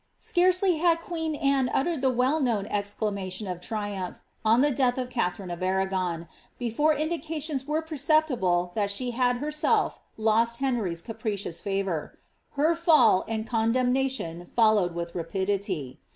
Scarcely liad queen Anne uttered the well known exclamation of tri umpli on the death of Katharine of Arragon, before indications were perceptible that she had herself lost Henr^'^s capricious favour ; her fidl and condemnation followed with rapidity.